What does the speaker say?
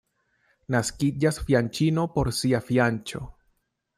Naskiĝas fianĉino por sia fianĉo.